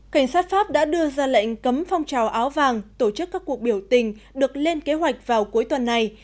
cảnh sát pháp đã đưa ra lệnh cấm phong trào áo vàng tổ chức các cuộc biểu tình được lên kế hoạch vào cuối tuần này